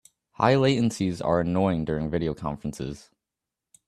High latencies are annoying during video conferences.